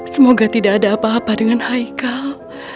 semoga tidak ada apa apa dengan haikal